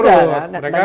mereka harus berurut